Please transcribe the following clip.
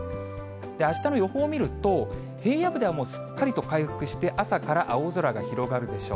あしたの予報見ると、平野部ではもう、すっかりと回復して、朝から青空が広がるでしょう。